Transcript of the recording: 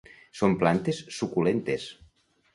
Són plantes suculentes.